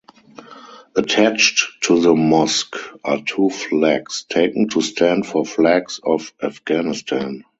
Attached to the mosque are two flags, taken to stand for flags of Afghanistan.